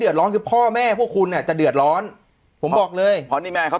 ร้อนคือพ่อแม่พวกคุณเนี่ยจะเดือดร้อนผมบอกเลยเพราะนี่แม่เขา